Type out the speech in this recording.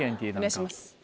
お願いします。